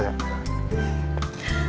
udah kaya fotografernya cantika ga